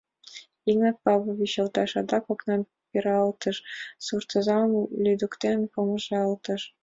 — Игнат Павлович йолташ! — адак окнам пералтыш, суртозам лӱдыктен помыжалтыш.